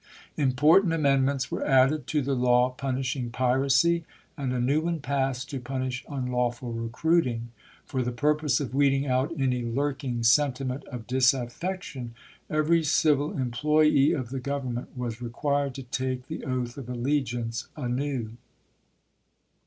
Important amendments were added to the law punishing piracy, and a new one passed to punish unlawful recruiting. For the purpose of weeding out any lurking sentiment of disaffection, every civil employee of the Government was re quired to take the oath of allegiance anew.